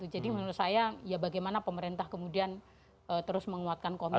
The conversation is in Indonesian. jadi menurut saya ya bagaimana pemerintah kemudian terus menguatkan komitmennya